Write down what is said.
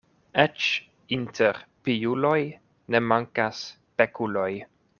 Eĉ inter piuloj ne mankas pekuloj.